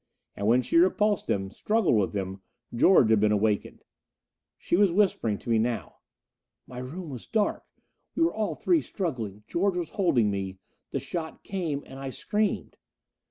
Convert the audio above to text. And when she repulsed him, struggled with him, George had been awakened. She was whispering to me now. "My room was dark. We were all three struggling. George was holding me the shot came and I screamed."